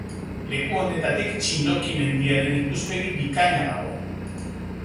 Leku honetatik Txindoki mendiaren ikuspegi bikaina dago.